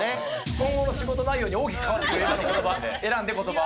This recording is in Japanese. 今後の仕事内容に大きくかかわってくるので、選んで、ことば。